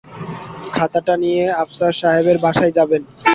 খাতাটা নিয়ে আফসার সাহেবের বাসায় যাবেন।